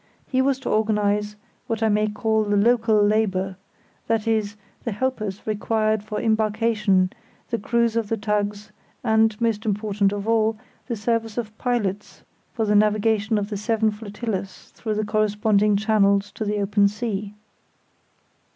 He was to organise what I may call the local labour—that is, the helpers required for embarkation, the crews of the tugs, and, most important of all, the service of pilots for the navigation of the seven flotillas through the corresponding channels to the open sea.